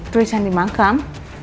tulisan di makam